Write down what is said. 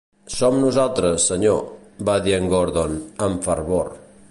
"Som nosaltres, senyor", va dir en Gordon, amb fervor.